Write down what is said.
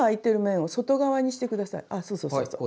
あそうそうそうそう。